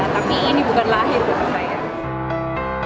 tapi ini bukan lahir